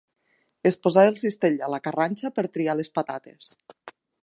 Es posà el cistell a la carranxa per triar les patates.